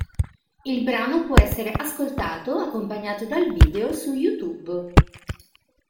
Il brano può essere ascoltato, accompagnato dal video, su YouTube.